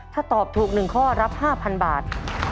ถ้าตอบถูกหนึ่งข้อรับ๕๐๐๐บาท